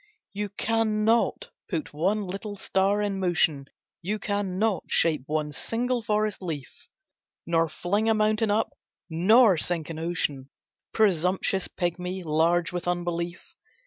You cannot put one little star in motion, You cannot shape one single forest leaf, Nor fling a mountain up, nor sink an ocean, Presumptuous pigmy, large with unbelief.